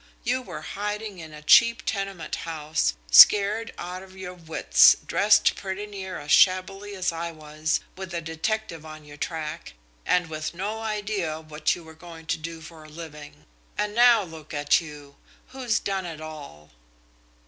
You were hiding in a cheap tenement house, scared out of your wits, dressed pretty near as shabbily as I was, with a detective on your track, and with no idea of what you were going to do for a living. And now look at you. Who's done it all?"